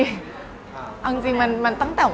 อเรนนี่ส์อเรนนี่ส์อเรนนี่ส์อเรนนี่ส์อเรนนี่ส์